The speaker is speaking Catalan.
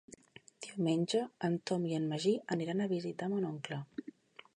Diumenge en Tom i en Magí aniran a visitar mon oncle.